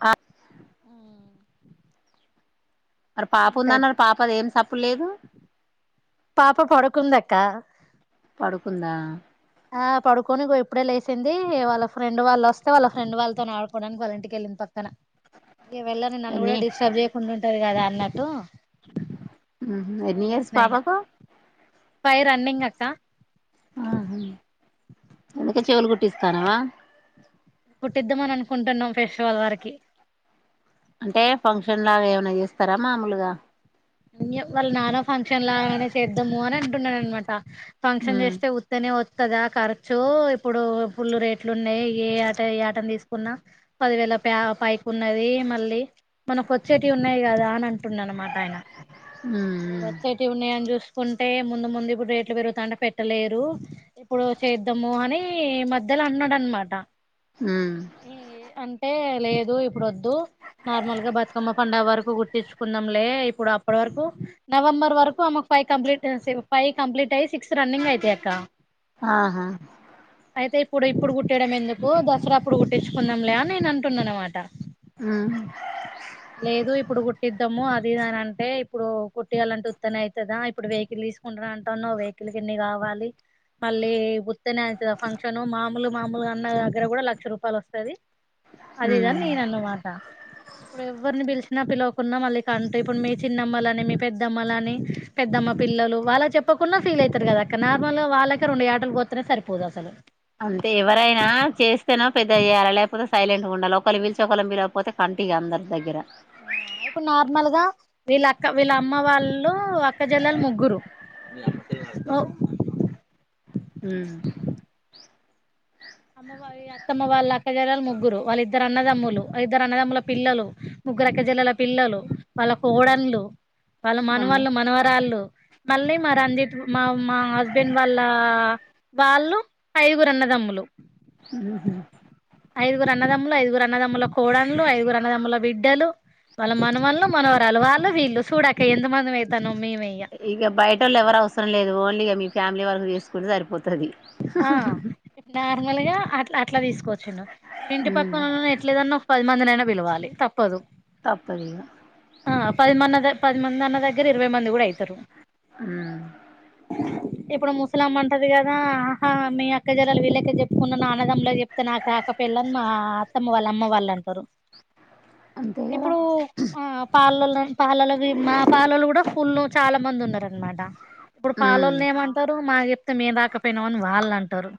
ఆ మరి పాప ఇంకా ఉందాన్నరి పాపది ఏం తప్పు లేదు. పాప పడుకుందాక్క పడుకుందా ఆ పడుకొని ఇప్పుడే లేసింది. వాళ్ళ ఫ్రెండ్ వాళ్ళు వస్తే, వాళ్ళ ఫ్రెండ్ వాళ్ళతో ఆడుకోవడానికి వాళ్ళంటికెళ్ళింది పక్క ఇ వెళ్ళని నన్ను కూడా ఎన్ని డిస్టర్బ్ చేయకుండా ఉంటారు కదా అన్న లో ఉహు ఎన్ని అ ఇయర్స్ స్ పాపకు పై రన్నింగ్ అక్క ఆహ అందుకే చెవులు కుట్టిస్తారా. కుట్టిద్దామని అనుకుంటున్నాం. పషవాల్ వారికి అంటే ఫంక్షన్ లాగా ఏమనా చేస్తారా మామూలుగా వాళ్ళు నాన ఫంక్షన్ లానే చేద్దాము అని అంటున్నాను అనమాట. ఫంక్షన్ ఉమ్ చేస్తే వస్తనే వచ్చ కదా ఖర్చు ఇప్పుడు పుల్లు రేట్లు ఉన్నాయి. ఏ ఆట ఏ ఆటను తీసుకున్నా పదివేల ప పైకి ఉన్నది. మళ్ళీ మనకు వచ్చేటివి ఉన్నాయి కదా అని అంటున్నా అనమాట ఆయన. ఇప్పుడు ఉమ్ వచ్చేటివి ఉన్నాయి చూసి కుంటే ముందు ముందు ఇప్పుడు రేట్లు పెరుగుతాంటే పెట్టలేరు. ఇప్పుడు చేద్దాము అని మధ్యలో అన్నాడు అనమాట. ఉమ్ ఈఈ అంటే లేదు ఇప్పుడు వద్దు నార్మల్ గా బతుకమ్మ పండుగ వరకు గుటిచుకుందాంలే ఇప్పుడు అప్పటి వరకు నవంబర్ వరకు అమెకు ఫైవ్ కంప్లీట్ ఫైవ్ కంప్లీట్ అయి సిక్స్ రన్నింగ్ ఐతై అక్క ఆహా అయితే ఇప్పుడు ఇప్పుడు కుట్టిడం ఎందుకు దసరాప్పుడు కుట్టించుకుందాం లే నేను అంటున్నా అనమాట హమ్ లేదు ఇప్పుడు కుట్టిద్దాము అదిఇదని అంటే ఇప్పుడు కుట్టియాలంటే ఉత్తనే అయితది ఇప్పుడు వెకిల్ తీసుకుంట అంటాన్నా వెకిల్ కిన్ని కావాలి మళ్ళీ ఉత్తనే అవుతుదా ఫంక్షన్ మామూలు మామూలుగా అన్న దగ్గర కూడా లక్ష రూపాయలు వస్తది ఉమ్ అదిఇదని నేను అన్న మాటా ఎవరిని పిలిచినా పిలవకున్నా మళ్ళీ కంటు ఇప్పుడు మీ చిన్నమ్మలుని మీ పెద్దమ్మలని పెద్దమ్మ పిల్లలు వాళ్ళ చెప్పకున్నా ఫీల్ అవుతారు కదాక్క నార్మల్ గా వాళ్ళకే రెండు యాటలు కోతేనే సరిపోదు అసలు అంతే ఎవరైనా చేస్తేనొ పెద్దగ చేయాల లేకపోతే సైలెట్గా ఉండాల ఒకలని పిలిచి ఒకలని పిలవకపోతే కంట్ ఇగా అందరి దగ్గర ఆ ఇప్పుడు నార్మల్గ వీళ్ళ అక్క వీళ్ళ అమ్మ వాళ్ళు అక్కజేల్లలు ముగ్గురు మీ అమ్మ సే హమ్ అమ్మ వాళ్లు అత్తమ్మ వాళ్ళ పిల్లగల్ ముగ్గురు వాళ్ళద్దరు ఇద్దరు అన్నదమ్ములు ఇద్దరు అన్నదమ్ముల పిల్లలు ముగ్గురు అక్కజేల్లల పిల్లలు వాళ్ళ కోడన్లు వాళ్ళు అమ్మో మనవళ్ళు మనవరాళ్ళు మళ్ళీ మా రంజిత్ మా మా హస్బెండ్ వాళ్ళ వాళ్ళు ఐదుగురు అన్నదమ్ములు ఉహు ఐదుగురు అన్నదమ్ములు ఐదుగురు అన్నదమ్ముల కోడండ్లు ఐగురు అన్నదమ్ముల బిడ్డలు వాళ్ళ మనవళ్లు మనవరాలు వాళ్ళు వీళ్ళు చూడ అక్క ఎంత మందిం ఐతన్నం ఇక బయటోల్ ఎవరు అవసరం లేదు ఇగ మీ ఫ్యామిలీ వరకు చేసుకుంటే సరిపోతు ఆ నార్మల్ గా అట్ల అట్లా తీసుకోవచ్చినం ఇప్పుడు ఇంటి ఉమ్ పక్కన ఎట్లేదన్న పది మందినైనా పిలవాలి తప్పదు తప్పద్ ఇగ ఆ పదిమనద పదిమ మన దగ్ ఇరవై మంది కూడా అయితారు ఉమ్ ఇప్పుడు ముసలమ్మ ఉంటది కదా ఆహా మీ అక్కజేలలు వీళ్ళకే చెప్పుకున్నాను నా అనదములకు చెప్తే నాకు రాకపొళ్ళని మా అత్తమ్మ వాళ్ళు అమ్మ వాళ్ళు అంటారు అంతే కదా ఇప్పుడు ఆ పాలలో పాలలు మా పాలలు కూడా ఫుల్ చాలా మంది ఉన్నారు అక్క క ఇప్పుడు ఉమ్ పాలల్లో ఏమంటారు మాకు చెప్తే మేరాకా వాళ్ళ అంటరు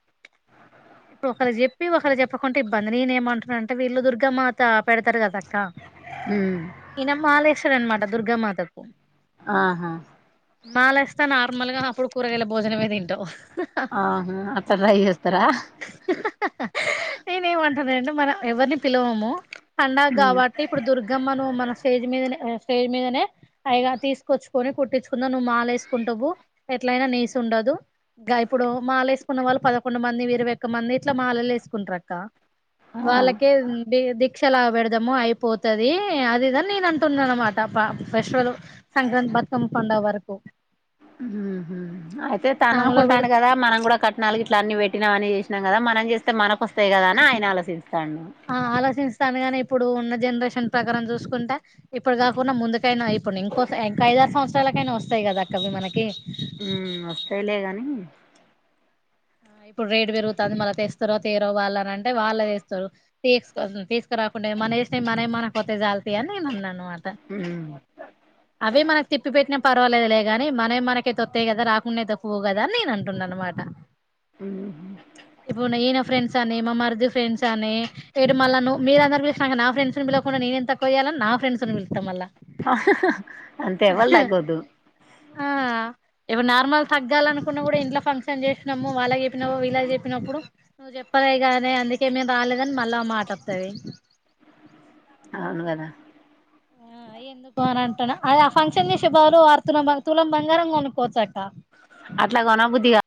ఇప్పుడు ఒకలక్ చెప్పి ఒకలకు చెప్పకుంటడ ఇబ్బంది నేను ఏమంటున్నా అంటే వీళ్ళు దుర్గా మాత పెడతరు కద అక్కా ఉమ్ ఇన మాలా వేసడు అనమాట దుర్గ మాతకు ఆహా మాల ఇస్తే నార్మల్ గా అప్పుడు కూరగాయల భోజనంమే తింటవ్ ఆహా ఆత రై చేస్తరా అండి మనం ఎవరిని పిలవము పండగ ఉమ్ కాబట్టి ఇప్పుడు దుర్గమ్మను మన స్టేజ్ మీద నె స్టేజ్ మీదనే అయగారు తీసుకొచ్చుకని కుట్టించుకుందా నువ్వు మాలవేసుకుంటవు ఎట్లయినా నీసు ఉండదు. గ ఇప్పుడు మాల వేసుకున్న వాళ్ళు పదకొండు మంది ఇరవై ఒక్క మంది ఇట్లా మాలలు వేసుకుంటరు అక్క ఆ వాళ్ళకె ది పక్షలా పెడదామో అయిపోతుది అదిదని నేను అంటున్నాను అనమాట పా ఫెస్టివల్ సంక్రాంతి బతుకమ్మ పండగ వరకు కుంటాండు పెడితే కదా మనం కూడా కట్నాల ఇట్లా అన్ని పెట్టి అని చేసినామ్ కద మనం చేస్తే మనకొస్త కదాని ఆయన ఆలోచించి ఆ ఆలోచిస్తాండు గానే ఇప్పుడు ఉన్న జనరేషన్ ప్రకారం చూసుకుంటే ఇప్పుడు కాకున్నా ముందుకైనా ఇప్పుడు ఇంకో ఇంకా ఐదారు సంవత్సరాలకైనా వస్తాయి కదా అక్క అవి మనకి ఉమ్ వస్తాయిలే గాని ఇప్పుడు రేటు పెరుగుతాంది మళ్ళా తెస్తారో తేరో వాళ్లు అని అంటే వాళ్లే తెస్తరు తీసుకో తీసుకురా మనమేసిన మనయి మనకు వతే జాల్ తీ అని నేను అన్నాననమాట ఉమ్ అవే మనకు తిప్పి పెట్టిన పర్వాలేదు లే గాని మనయి మనకైతె తొత్తయి కదా రాకుండైతే పోవు కదా అని నేను అంటున్నా అనమాట ఆ ఇప్పుడు ఈయన ఫ్రెండ్స్ అని మా మరిది ఫ్రెండ్స్ అని ఇటు మళ్ళ ను మీరుందరూ పిలిచినాక నా ఫెండ్స్ ని పిలవక నేనేమ్ తక్కువ జేయాలని నా ఫ్రెండ్స్ని పిలత్త మల్ల ఆహ్ హ్ హ అంతే ఎవలు తగోద్దు ఆ ఇప్పుడు నార్మల్ తగ్గాలనుకున్నా కూడా ఇట్లో ఫంక్షన్ చేసినాము వాళ్ళగి చె చెప్పినవ ఇలా చెప్పినప్పుడు నువ్వు చెప్పలే గాదె అందుకే మేం రాలేదని మళ్ళా ఓ మాట వత్తది అవును కదా ఆ ఎందుకు అని అంటున్నా అదే ఆ ఫంక్షన్ చేసే బదులు అరతులం తులం బంగారం కొనుక్కోవచ్చక్క అట్లా గొనబుద్ధిగా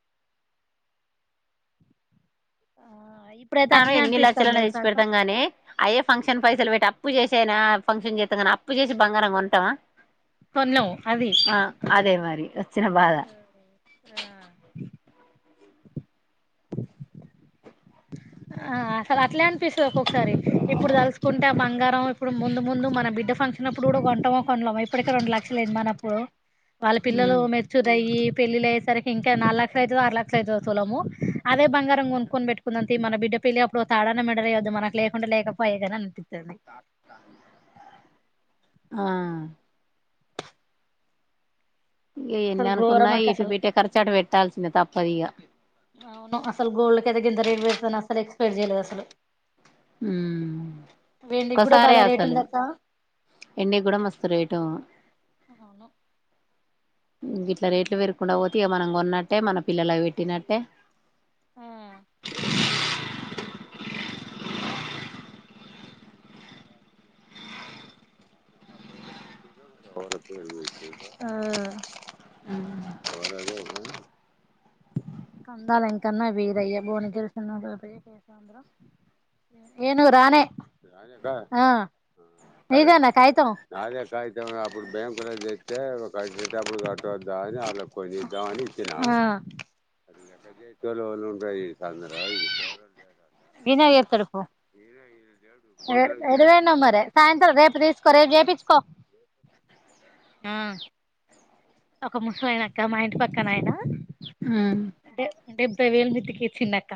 ఆ అయి [unintelligible] మనం ఎన్ని లక్షలు అన్న తెచి పెడతాంగానీ అయే ఫంక్షన్ పైసలు పెట్టీ అప్పు చేసైనా ఫంక్షన్ చేస్తామ్ కానీ అప్పు చేసి బంగారం కొంటమా కొనలేము అది ఆ అదే మరి వచ్చిన బాధ ఆ [unintelligible] ఆ అసలు అట్లే అనిపిస్తు ఒక్కొక్కసారి ఇప్పుడు తలుసుకుంటే ఆ బంగారం ఇప్పుడు ముందు ముందు మన బిడ్డ ఫంక్షన్ అప్పుడు కూడా కొంటమొ కొనమో ఇప్పటికే రెండు లక్షలుంది మనప్పుడు వాళ్ళ పిల్లలు ఉమ్ మెచ్చురయ్యి పెళ్లిళ్లు అయ్యే సరికి ఇంకా నాలుగు లక్షలుఅయితదో ఆరు లక్షలు అయితదో తులము అదే బంగారం కొనుక్కొని పెట్టు నంత మనబిడ్డ పెళ్లి అప్పుడు ఓ తాడన్న మెడలో వేయద్ద మనకు లేకుంటే లేకపోయే కదా అని పి ఆ ఇగ ఎన్ని అసలు అనుకున్నా ఘోరం అక్క ఎటు అసలు పెట్టే ఖర్చు అటు పెట్టాల్సిందే తప్పదు ఇగ పెరిగి ఇంత రేట్ పెరుగుతాదని అస్సలు ఎక్స్పెక్ట్ చేయలేదు అస్సలు ఊ కూడా ఒక్కసారే భలే రేట్ అస్సలు ఉంది అక్క ఎండి కూడా మస్తు రేటు అవును ఇంగ ఇట్లా రేట్లు పెరకుండా పోతే ఇగ మనం కొన్నట్టే మన పిల్లలకి పెట్టినట్టే ఆ అద కందాల ఇంకన్నా వీరయ్య బోలు ఇదన్న కాగితంద్దాని ాడు ఎడుదనా మర సాయంత్రం రేపు తీసుకో రేపు చేయిించుకో ఒక ముసలయన అక్క మా ఇంటి పక్కన ఆయన ఉమ్ డెబ్బై వేలు బిడ్డకు ఇచ్చింనక్క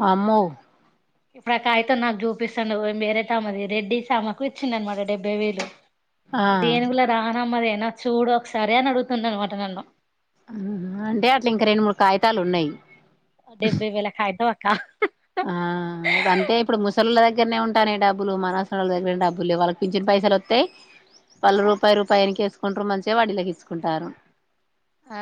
వామ్మో ఇప్పుడు ఆ కాగితం నాకు చూపిస్తాండు మాయమ్మయ రెడ్డి ఆమెకు ఇచ్చిండు అనమాట డెబ్బై వేలు ఆ ఇది ఏనుగుల రా మా అది నాకు చూడొక్కస్ సారే అని అడుగుతుంది అనమాట నన్ను అంటే అట్ల ఇంక రెండు మూడు కాగి తాలున్నాయి డెబ్భై వేళ కాగితం అ కా ఆ అంతే ఇప్పుడు. ముసలొళ్ళ దగ్గరనే ఉంటాన్నయ్ డబ్బులు మనసరు వాళ్ళ దగ్గర డబ్బులు లేవు వాళ్ళకి పించను పైసలు వత్తయ్ వాళ్ళు రూపాయి రూపాయ్ ఎనుకేసుకుంటారు మంచిగా వడ్డీళకి ఇచ్చుకుంటారు ఆ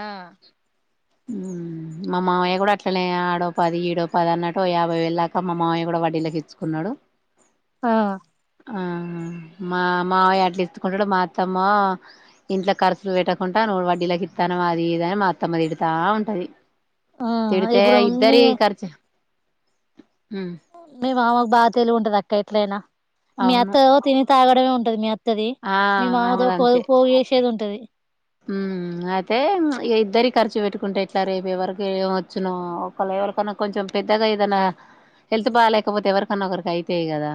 ఉమ్ మా మామయ్య కూడా అట్లనే ఆడోపది ఈడోపది అన్నట్టు ఇంకో యాభై వేళ దాకా మామయ్య కూడా వడ్డీలకి ఇచ్చుకున్నాడు ఆ ఆ మా మావయ అట్లా ఎత్తుకుంటాడు మా అత్తమ్మ ఇంట్లో ఖర్చులు పెట్టకుంట నువ్వు వడ్డీలకి ఇత్తాన్నవ అది ఇది అని మా అత్తమ్మ తిడుతా ఉంటది తిడితే ఇప్పుడు మీ ఇద్దరి ఖర్చు ఉమ్ మీ మామకు బాగా తెలివి ఉంటది అక్క ఎట్లయినా మీ అవును అత్త ఓ తినే తాగడమే ఉంటది మీ అ ఉంటది ఆ మీ మామదో పో పోగి చేసేది ఉంటది ఉ అయితే ఇద్దరి ఖర్చు పెట్టుకుంటే ఎట్లా రేపు ఎవరికి ఏమొచ్చునో ఒకళ ఎవరికన్నా కొంచెం పెద్దగా ఏదైనా హెల్త్ బాగాలేకపోతే ఎవరికన్నా ఒకరికి అయితాయి కదా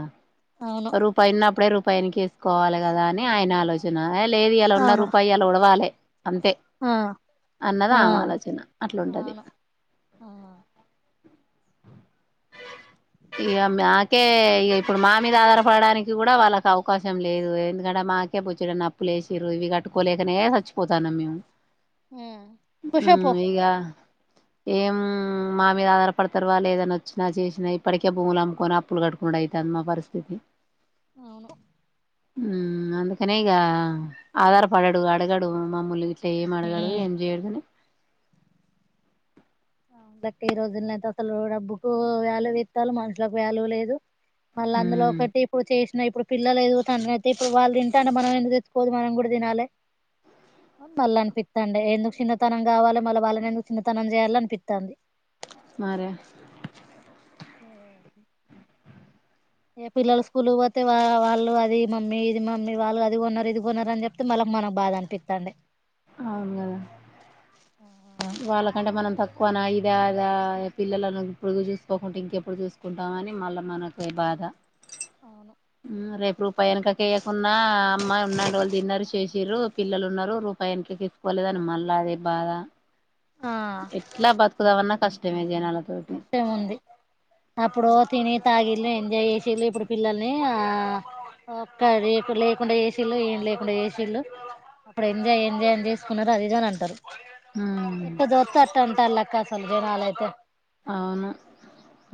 అవును రూపా ఉనాపుడు రూపా పైనేసుకోవాలి కదా అని ఆయన ఆలోచన హ లేదు ఈయాల ఉన్న అవును రూపాయి యల గూడో బాలే అంతే ఆ అన్నది ఆ ఆమె ఆలోచన అట్లాంటది అవును ఆ ఇక మాకే ఇ ఇప్పుడు మా మీద ఆధారపడడానికి కూడా వాళ్ళకి అవకాశం లేదు ఎందుకంటే మాకే పొచ్చుడ నప్పులేసిరారు ఇవి కట్టుకోలేక ఇక్క సచ్చిపోతాన్నం మేము ఉమ్ కుషాయిపో ఇక ఏం మా మీద ఆధారపడతారువా లేదని వచ్చినా చేసినా ఇప్పటికే భూములు అమ్ముకొని అప్పులు కట్టుకు అవుతుంది మా పరిస్థితి అవును ఉమ్ అందుకనేగ ఆధార్ పడ్ డు అడగడు మామ్మూలు నేమ్ అడగడు ఉమ్ ఎం చేయదు కే ఈ రోజుల అయితే అసలు డబ్బుకు వ్యాల్యూ ఇస్తాలు మనుషులకు వ్యాల్యూ లేదు మళ్ళా అందులో హ్మ్ ఒకటి ఇప్పుడు చే ఇప్పుడు పిల్లలు ఎదుగుతండ అయితే ఇప్పుడు వాళ్ళు తింటుంటే మనం ఎందుకు తెతుుకోదు మనం కూడా తినాలిని మళ్ళీ అనిపిస్తండి ఎందుకు చిన్నతనం కావాలి మళ్ళీ వాళ్ళని ఎందుకు చిన్నతనం చేయాలి అనిపి త్తాంది మరే ఉమ్ ఏ పిల్లలు స్కూల్ పోతే వా వాళ్ళు అది మమ్మీ ఇది మమ్మీ వాళ్ళు అది కొన్నారు ఇది కొనరు అని చెప్తే మళ్ళకి మనకు బాధ అనిపిస్తండి అవును కదా వాళ్ల కండ మనం తక్కువ న ఇదా ఆదా పిల్లలను ఇప్పుడు చూసుకోకుండా ఇంకెప్పుడు చూసుకుంటాం అని మళ్ళా మనకు బాధ అవును రేపు రూపాయి వెనకకయకున్నా అమ్మాయి ఉన్నాం వాళ్ళు తిన్నారు చేసిరు పిల్లలు ఉన్నారు రూపాయికకి ఇసుకోలేదని మళ్ళీ అదే బాధ ఆ ఎట్లా బతుకుదా అన్నా కష్టం మే జనాలకు తప్పేముంది అప్పుడు తిని తాగి దేన్ ఎంజాయ్ చేసేది ఇప్పుడు పిల్లల్ని ఆ ఒక్క లేకుండా చేసిళ్ళు ఏం లేకుండా చేసిళ్ళు అప్పుడు ఎంజాయ్ ఎంజాయ్ చేసుకున్నారు అది గాని అంటారు హ్మ్ ఇట్ట జ్యూతే అట్ట అంటాల కసంజనాలైతే అవును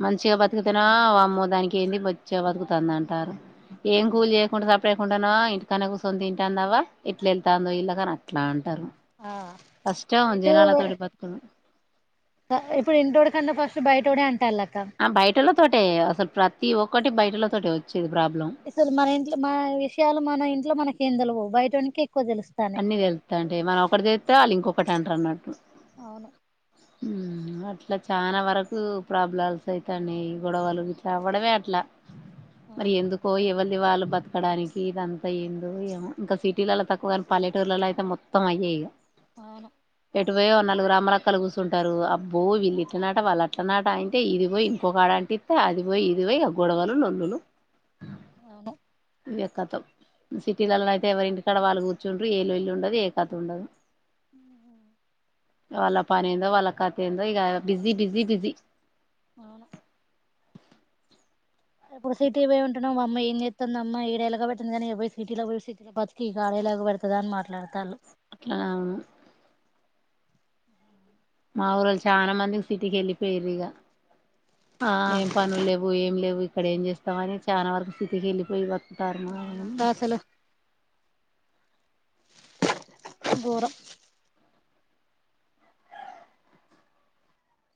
మంచిగా బతుకుతునా వామ్మో దానికి ఏంది మచ్చగా బతుకుతుంది అంటారు ఏం కూలి చేయకుంటడా సపి కుండాను ఇంటికనే క కూసోని తింటున్నారా ఇట్లా ఎల్తాండో ఇల్లా కాని అలాం టరు ఆ కష్టం ఎటు జనాలతోటి బతుకుడు ఇప్పుడు ఇంటోడు కన్నా ఫస్ట్ బయటోడే అంట ఆ బయటలో తోటే అసలు ప్రతి ఒక్కటి బయటిల్లా తోటే వాచ్ అసలు మన ఇంట్లో మన విషయాలు మన ఇంట్లో మనకి ఏందలవు బయట నికి అన్నీ తేలుత్తంటాయ్ మన ఒకటి తెలీతే వాళ్ళ ఇంకొక అప్పటంట అన్నట్టు అవును ఉమ్ అట్లా చాలా వరకు ప్రాబ్లమ్స్ అయితాండి గొడవలు ఇట్లా అవడమే అట్లా ఆ మరి ఎందుకో ఎవళ వాళ్ళు బతకడానికి ఇదంతా ఏందో ఇంకా సిటీల అ తక్కువ పల్లెటూర్లలో అయితే మొత్తం అయ్యే ఇగ అవును ఎటు పోయి నాలుగు అమ్మలక్కలు కూర్చుంటారు అబ్బో వీళ్ళు ఇట్లనట వాళ్ళ అట్లనాట అంటే ఇది పోయి ఇంకొక ఆడ అంటి ఇస్తే అది పోయి ఇది పోయి గొడవలు లొల్లులు అవును ఇవేం కథో సిటీలలో అయితే ఎవరి ఇంటి కాడ వాలుగు చూండ ఏలొల్లి ఉండదు ఏ కథ ఉండదు ఆ వాళ్ళ పని ఏందో వాళ్ళకథ ఏందో ఈ బిజీ బిజీ బిజి అవును ఇప్పుడు సిటీ పోయి ఉంటున్నాం అమ్మ ఏం చేస్తుంది అమ్మ ఈడేలాగా పెడుతుంది కాని పోయి సిటీలో పో సిటీలో బతికి కాడేలా పెడతు అని మాట్లాతండ్రు అట్లా అవును మా ఊరోళ్ళు చాలా మందికి సిటీకి వెళ్ళిపోయారు ఇక ఆ ఏం పనులు లేవు ఏం లేవు ఇక్కడ ఏం చేస్తామని చాలా వరకు సిటీకి వెళ్ళిపోయి వాళ్ళు కర్మ ఆ అని గోరం